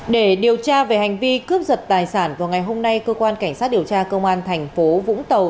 để điều tra về hành vi cướp giật tài sản vào ngày hôm nay cơ quan cảnh sát điều tra công an thành phố vũng tàu